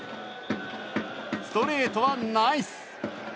ストレートはナイス！